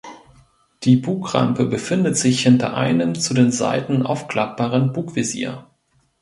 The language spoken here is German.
Die Bugrampe befindet sich hinter einem zu den Seiten aufklappbaren Bugvisier.